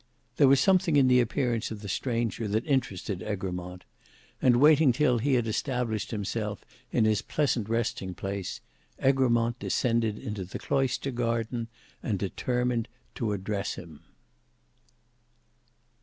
There was something in the appearance of the stranger that interested Egremont; and waiting till he had established himself in his pleasant resting place, Egremont descended into the cloister garden and determined to address him.